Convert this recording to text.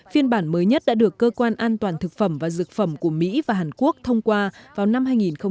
phiên bản mới nhất đã được cơ quan an toàn thực phẩm và dược phẩm của mỹ và hàn quốc thông qua vào năm hai nghìn một mươi một